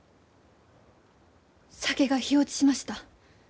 酒が火落ちしました。